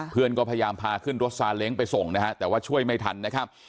เพื่อนก็พยายามพาขึ้นรถซาเล้งไปส่งนะฮะแต่ว่าช่วยไม่ทันนะครับ